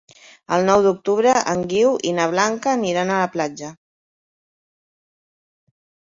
El nou d'octubre en Guiu i na Blanca aniran a la platja.